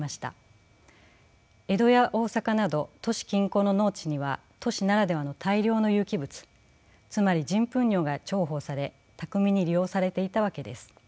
江戸や大坂など都市近郊の農地には都市ならではの大量の有機物つまり人糞尿が重宝され巧みに利用されていたわけです。